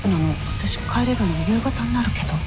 私帰れるの夕方になるけど。